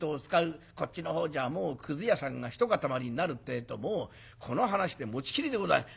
こっちのほうじゃくず屋さんが一塊になるってえともうこの話で持ちきりでございます。